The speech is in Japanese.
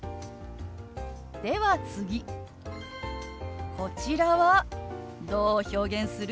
では次こちらはどう表現する？